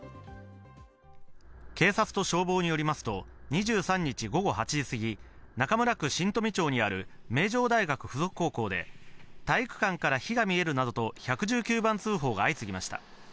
警察と消防によりますと、２３日午後８時過ぎ、中村区新富町にある名城大学附属高校で、体育館から火が見えるなどと１１９番通報が相次ぎました。